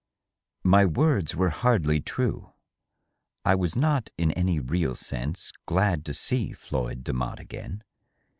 My words were hardly true. I was not in any real sense glad to see Floyd Demotte again.